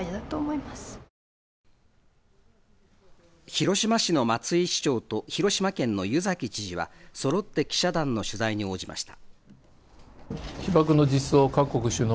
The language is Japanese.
広島市の松井市長と広島県の湯崎知事は、そろって記者団の取材に応じました。